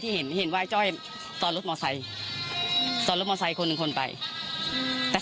น้องจ้อยนั่งก้มหน้าไม่มีใครรู้ข่าวว่าน้องจ้อยเสียชีวิตไปแล้ว